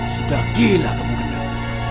sudah gila kamu gendeng